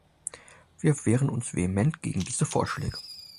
Wir wehren uns vehement gegen diese Vorschläge.